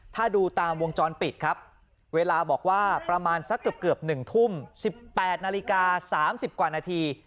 ถ้าดูตามวงจรปิดครับเวลาบอกว่าประมาณสักเกือบ๑ทุ่ม๑๘นาฬิกา๓๐กว่านาที